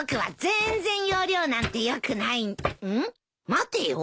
待てよ。